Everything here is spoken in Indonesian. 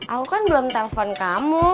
aku kan belum telpon kamu